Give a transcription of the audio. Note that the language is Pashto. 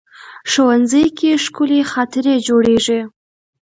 ښوونځی کې ښکلي خاطرې جوړېږي